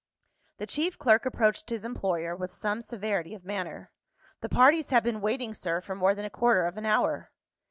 The chief clerk approached his employer, with some severity of manner. "The parties have been waiting, sir, for more than a quarter of an hour."